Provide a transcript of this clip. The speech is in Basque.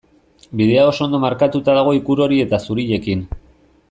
Bidea oso ondo markatuta dago ikur hori eta zuriekin.